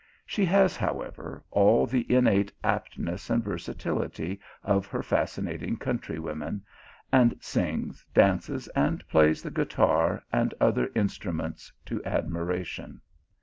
She has, however, all the innate aptness and versatility of her fascinating country women, and sings, dances, and plays the guitar and other instruments to admiration.